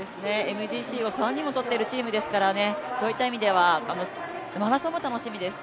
ＭＧＣを３人も取っているチームですから、そういった意味ではマラソンも楽しみです。